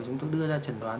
chúng ta đưa ra trần đoán